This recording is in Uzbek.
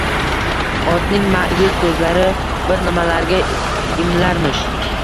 Otning ma’yus ko‘zlari bir nimalarga imlarmish.